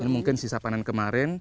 mungkin sisa panen kemarin